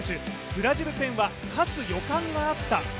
ブラジル戦は勝つ予感があった